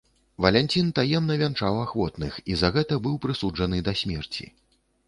Валянцін таемна вянчаў ахвотных і за гэта быў прысуджаны да смерці.